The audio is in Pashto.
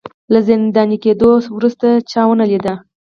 له زنداني کېدو وروسته چا ونه لید